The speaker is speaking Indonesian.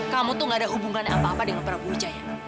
kamu tuh gak ada hubungan apa apa dengan prabu wijaya